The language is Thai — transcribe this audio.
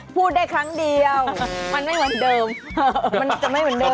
พูดได้ครั้งเดียวมันไม่เหมือนเดิม